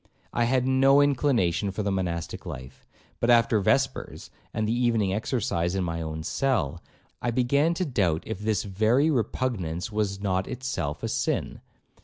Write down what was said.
I had no inclination for the monastic life; but after vespers, and the evening exercise in my own cell, I began to doubt if this very repugnance was not itself a sin.